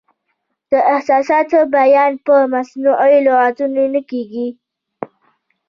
د احساساتو بیان په مصنوعي لغتونو نه کیږي.